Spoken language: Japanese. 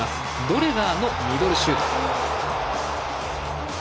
ドレガーのミドルシュート。